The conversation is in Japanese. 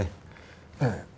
ええ。